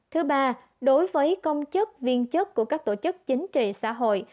thứ ba đối với công chức viên chức của các tổ chức chính trị xã hội